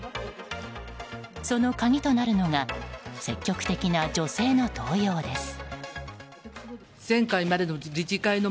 その鍵となるのが積極的な女性の登用です。